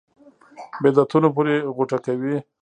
بدعتونو پورې غوټه کوي.